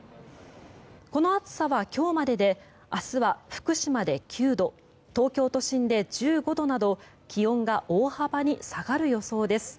この暑さは今日までで明日は福島で９度東京都心で１５度など気温が大幅に下がる予想です。